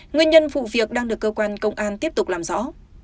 nguyên nhân vụ việc đang được cơ quan công an tiếp tục làm rõ